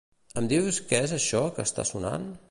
Em dius que és això que està sonant?